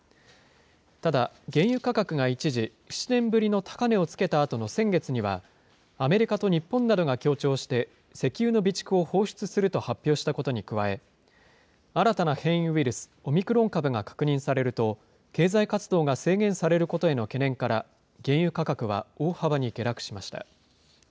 ただ、原油価格が一時７年ぶりの高値をつけたあとの先月には、アメリカと日本などが協調して石油の備蓄を放出すると発表したことに加え、新たな変異ウイルス、オミクロン株が確認されると、経済活動が制限されることへの懸念から、原油価格は大幅に下落しました。